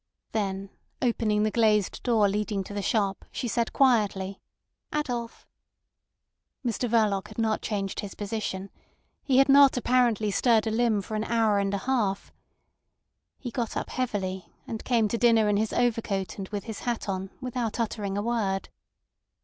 Then opening the glazed door leading to the shop, she said quietly "Adolf!" Mr Verloc had not changed his position; he had not apparently stirred a limb for an hour and a half. He got up heavily, and came to his dinner in his overcoat and with his hat on, without uttering a word.